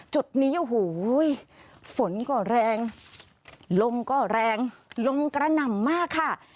จุดนี้ฝนก็แรงลมก็แรงลมกระนำมากค่ะ